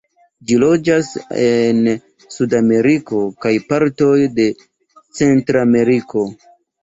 Ĝi loĝas en Sudameriko, kaj partoj de Centrameriko.